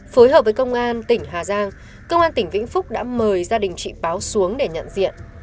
phối hợp với công an tỉnh hà giang công an tỉnh vĩnh phúc đã mời gia đình chị báo xuống để nhận diện